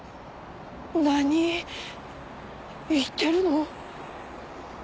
何言ってるの？